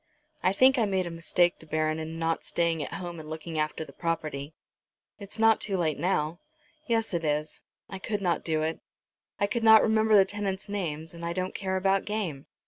I think I made a mistake, De Baron, in not staying at home and looking after the property." "It's not too late, now." "Yes, it is. I could not do it. I could not remember the tenants' names, and I don't care about game.